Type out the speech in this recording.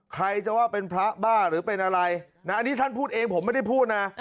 ใครจะว่าเป็นพระบ้าหรือเป็นอะไรนะอันนี้ท่านพูดเองผมไม่ได้พูดนะ